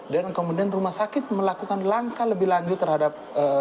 dan kemudian rumah sakit melakukan langkah lebih lanjut terhadap